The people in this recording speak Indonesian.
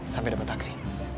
sampai dapat taksi